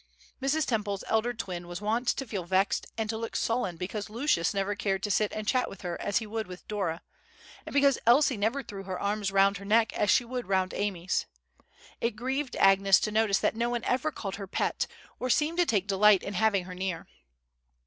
Mrs. Temple's elder twin was wont to feel vexed and to look sullen because Lucius never cared to sit and chat with her as he would with Dora; and because Elsie never threw her arms round her neck as she would round Amy's. It grieved Agnes to notice that no one ever called her "pet," or seemed to take delight in having her near.